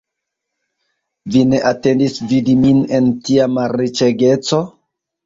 Vi ne atendis vidi min en tia malriĉegeco?